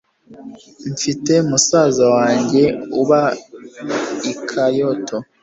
Mfite musaza wanjye uba i Kyoto.